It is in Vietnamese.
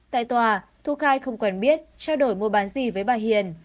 tại tòa thu khai không quen biết trao đổi mua bán gì với bà hiền